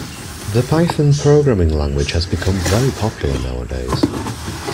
The python programming language has become very popular nowadays